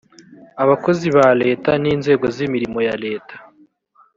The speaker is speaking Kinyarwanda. abakozi ba leta n inzego z imirimo ya leta